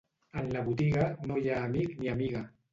En la botiga, no hi ha amic ni amiga.